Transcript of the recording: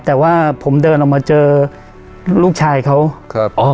แต่ว่าผมเดินออกมาเจอลูกชายเขาครับอ๋อ